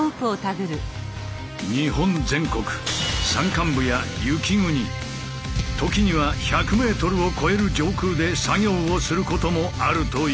日本全国山間部や雪国時には１００ｍを超える上空で作業をすることもあるという。